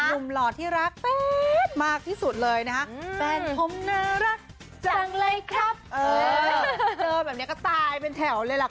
นมหล่อที่รักแปดมากที่สุดเลยนะฮะ